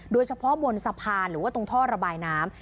โดยเฉพาะบนสะพานหรือว่าตรงท่อระบายน้ำ